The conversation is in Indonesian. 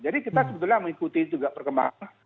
jadi kita sebetulnya mengikuti juga perkembangan